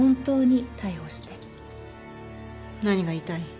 何が言いたい？